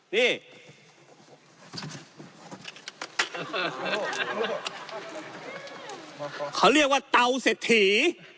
นี่เขาเรียกว่าเตาเศรษฐี